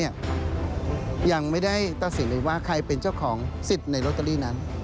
ยังไม่ได้ตัดสินเลยว่าใครเป็นเจ้าของสิทธิ์ในลอตเตอรี่นั้น